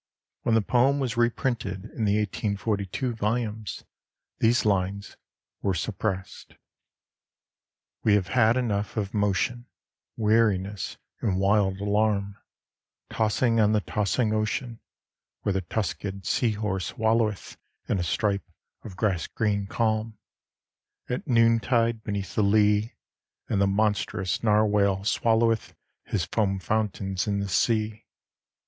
When the poem was reprinted in the 1842 volumes these lines were suppressed.] We have had enough of motion, Weariness and wild alarm, Tossing on the tossing ocean, Where the tuskèd seahorse walloweth In a stripe of grassgreen calm, At noon tide beneath the lea; And the monstrous narwhale swalloweth His foamfountains in the sea.